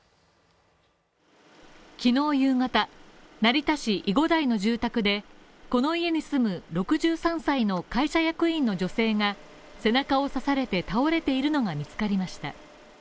きのう夕方、成田市、囲護台の住宅でこの家に住む６３歳の会社役員の女性が背中を刺されて倒れているのが見つかりました。